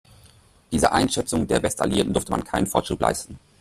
Dieser Einschätzung der Westalliierten durfte man keinen Vorschub leisten.